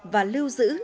và lưu giữ